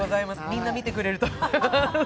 みんな見てくれると思います。